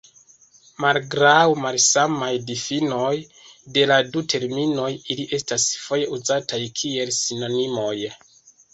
Malgraŭ la malsamaj difinoj de la du terminoj, ili estas foje uzataj kiel sinonimoj.